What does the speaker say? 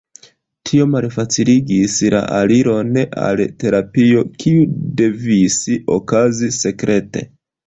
Tio malfaciligis la aliron al terapio, kiu devis okazi sekrete.